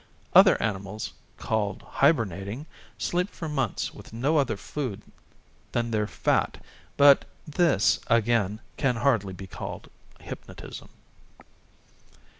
Other animals, called hibernating, sleep for months with no other food than their fat, but this, again, can hardly be called hypnotism.